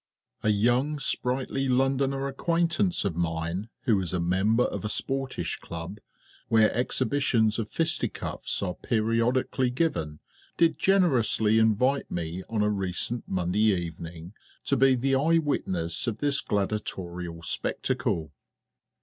_ A young sprightly Londoner acquaintance of mine, who is a member of a Sportish Club where exhibitions of fisticuffs are periodically given, did generously invite me on a recent Monday evening to be the eye witness of this gladiatorial spectacle.